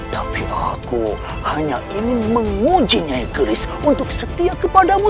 tapi aku hanya ingin menguji nyai keriska untuk setia kepadamu